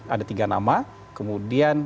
ada tiga nama kemudian